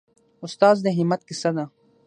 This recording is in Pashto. استاد د همت کیسه ده.